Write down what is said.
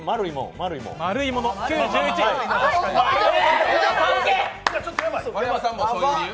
丸山さんもそういう理由？